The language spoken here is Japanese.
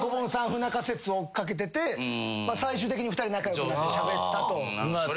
不仲説を追っ掛けてて最終的に２人仲良くなってしゃべったと。